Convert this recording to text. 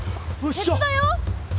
鉄だよ？